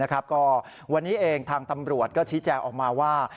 ก็วันนี้เองทางตำรวจก็ชี้แจงออกมาว่า